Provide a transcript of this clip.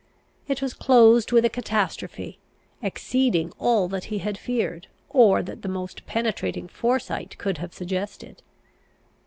It was closed with a catastrophe, exceeding all that he had feared, or that the most penetrating foresight could have suggested.